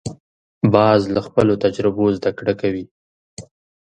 باز له خپلو تجربو زده کړه کوي